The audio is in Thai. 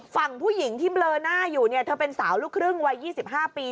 ฝั่งผู้หญิงที่เบลอหน้าอยู่เนี่ยเธอเป็นสาวลูกครึ่งวัย๒๕ปี